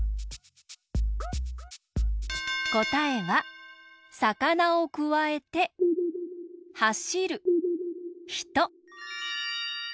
こたえはさかなをくわえてはしるひと。